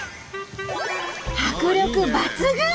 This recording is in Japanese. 迫力抜群！